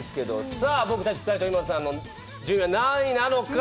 さあ、僕ら２人と井森さんの順位は何位なのか。